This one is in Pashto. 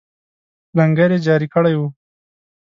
لنګر یې جاري کړی وو.